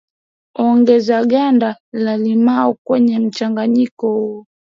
Ongeza ganda la limao kwenye mchanganyiko huo